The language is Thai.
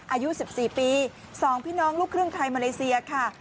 อายุ๑๔ปี๒พี่น้องลูกครึ่งไทยมาเลเซียค่ะ